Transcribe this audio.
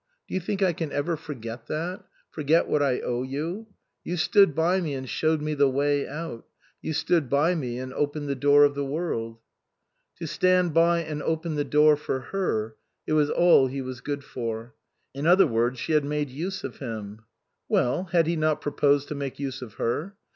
Do you think I can ever forget that? Forget what I owe you? You stood by me and showed me the way out ; you stood by and opened the door of the world." To stand by and open the door for her it was all he was good for. In other words, she had made use of him. Well, had he not pro posed to make use of her?